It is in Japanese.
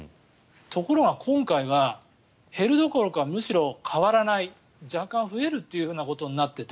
ところが今回は減るどころかむしろ変わらない若干増えるというようなことになっていて。